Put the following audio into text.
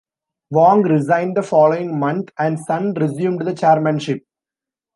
Wang resigned the following month, and Sun resumed the chairmanship.